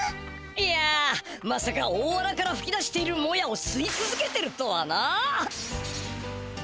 いやまさか大あなからふき出しているモヤをすいつづけてるとはな。